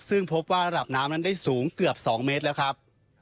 ซึ่งพบว่าระดับน้ำนั้นได้สูงเกือบ๒เมตรแล้วครับ